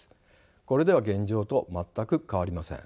これでは現状と全く変わりません。